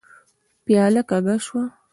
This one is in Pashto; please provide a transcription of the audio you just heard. پياله کږه شوه.